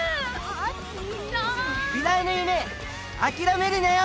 美大の夢諦めるなよ